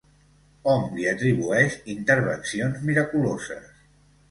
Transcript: Hom li atribueix intervencions miraculoses.